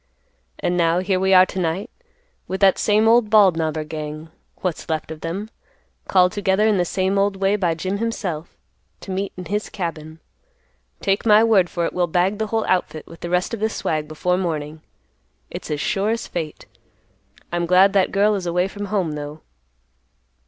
And now, here we are to night, with that same old Bald Knobber gang, what's left of them, called together in the same old way by Jim himself, to meet in his cabin. Take my word for it, we'll bag the whole outfit, with the rest of the swag before morning. It's as sure as fate. I'm glad that girl is away from home, though."